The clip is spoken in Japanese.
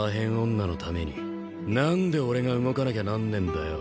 女のために何で俺が動かなきゃなんねえんだよ。